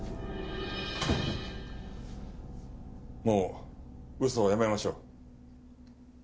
もう嘘はやめましょう。